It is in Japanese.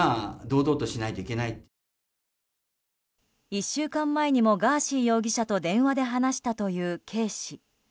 １週間前にもガーシー容疑者と電話で話したというＫ氏。